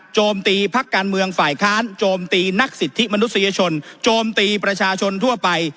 โจมตีพักการเมืองฝ่ายค้านโจมตีนักสิทธิมนุษยชนโจมตีประชาชนทั่วไป